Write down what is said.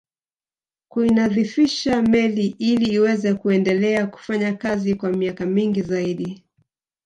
Kuinadhifisha meli ili iweze kuendelea kufanya kazi kwa miaka mingi zaidi